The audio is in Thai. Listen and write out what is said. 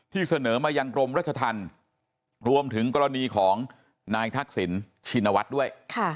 เสนอมายังกรมรัชธรรมรวมถึงกรณีของนายทักษิณชินวัฒน์ด้วย